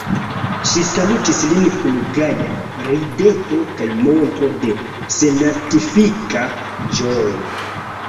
Ŝi salutis lin kun gaja rideto kaj montro de senartifika ĝojo.